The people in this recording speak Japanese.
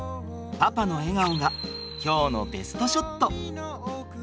パパの笑顔が今日のベストショット。